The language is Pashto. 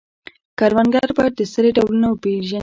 کروندګر باید د سرې ډولونه وپیژني.